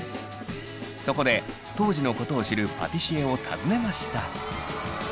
そこで当時のことを知るパティシエを訪ねました。